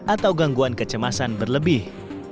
atau gangguan kecemasan berlebih